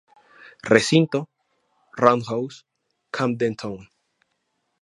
Recinto: Roundhouse, Camden Town.